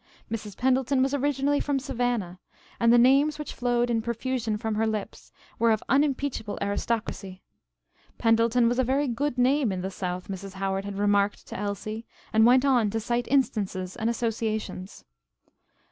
Mrs. Pendleton was originally from Savannah, and the names which flowed in profusion from her lips were of unimpeachable aristocracy. Pendleton was a very "good name" in the South, Mrs. Howard had remarked to Elsie, and went on to cite instances and associations.